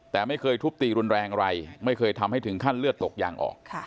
แต่ไม่เคยทุบตีรุนแรงอะไรไม่เคยทำให้ถึงขั้นเลือดตกยางออก